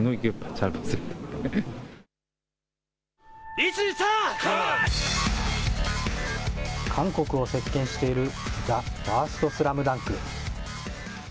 １、２、３、韓国を席けんしているＴＨＥＦＩＲＳＴＳＬＡＭＤＵＮＫ。